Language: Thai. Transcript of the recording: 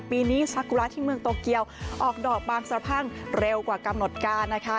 ปีนี้ซากุระที่เมืองโตเกียวออกดอกบางสะพั่งเร็วกว่ากำหนดการนะคะ